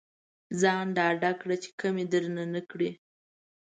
ځان ډاډه کړه چې کمې درنه نه کړي.